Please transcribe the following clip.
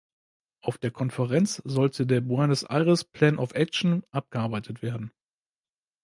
Auf der Konferenz sollte der "Buenos Aires Plan of Action" abgearbeitet werden.